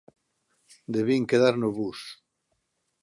Debín quedar no bus.